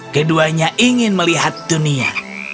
keduanya ingin melihat dunia